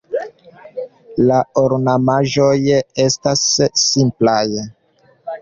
La ornamaĵoj estas simplaj.